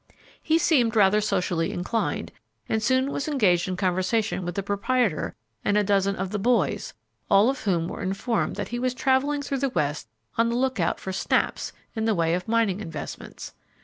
He seemed rather socially inclined, and soon was engaged in conversation with the proprietor and a dozen of the "boys," all of whom were informed that he was travelling through the West on the lookout for "snaps" in the way of mining investments.